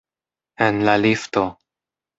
En la lifto.